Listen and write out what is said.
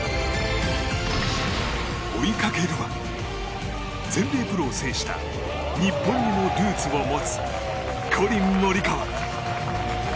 追いかけるは全米プロを制した日本にもルーツを持つコリン・モリカワ。